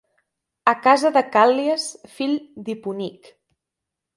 A casa de Càl·lias fill d'Hiponic.